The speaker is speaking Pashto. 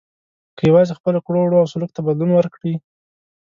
که یوازې خپلو کړو وړو او سلوک ته بدلون ورکړي.